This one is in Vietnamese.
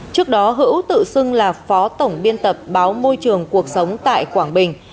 trước đó hữu tự xưng là phó tổng biên tập báo môi trường cuộc sống tại quảng bình